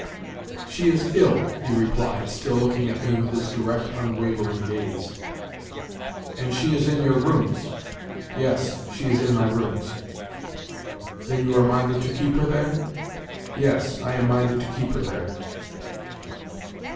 "She is ill," he replied, still looking at me with his direct, unwavering glance. "And she is in your rooms." "Yes, she is in my rooms." "Then you are minded to keep her there?" "Yes, I am minded to keep her there."